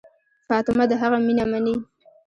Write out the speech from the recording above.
فاطمه د هغه مینه مني.